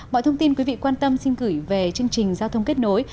mọi thông tin quý vị quan tâm xin gửi về chương trình giao thông kết nối